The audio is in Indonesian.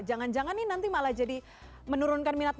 jangan jangan nih nanti malah jadi menurunkan minasetnya